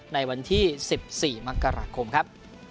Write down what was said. ในวันที่๑๔มกราคมครับ